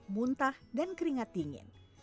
muntah dan keringat dingin